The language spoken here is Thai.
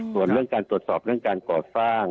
ส่วนเรื่องการตรวจสอบเรื่องการก่อสร้าง